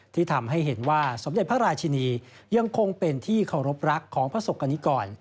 ที่ทำให้เห็นว่าสมเด็จพระราชินียังคงเป็นที่เคารพรักของพระศกกรณิกร